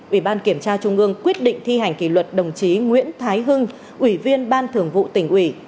uỷ ban kiểm tra trung ương quyết định thi hành kỷ luật đồng chí nguyễn thái hưng uỷ viên ban thường vụ tỉnh uỷ